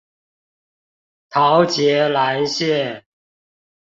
桃捷藍線